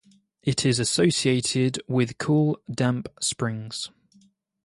It is associated with cool damp springs.